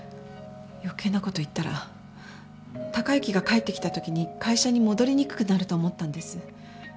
余計なこと言ったら貴之が帰ってきたときに会社に戻りにくくなると思ったんです。